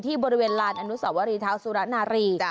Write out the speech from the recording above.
บริเวณลานอนุสวรีเท้าสุรนารี